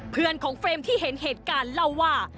เพื่อนของเฟรมที่เห็นเหตุการณ์เล่าว่า